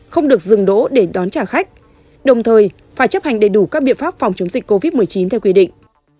không được dừng đỗ để đón trả khách đồng thời phải chấp hành đầy đủ các biện pháp phòng chống dịch covid một mươi chín theo quy định